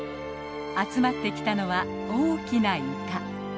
集まってきたのは大きなイカ。